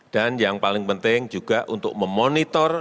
dan yang paling penting juga untuk memonitor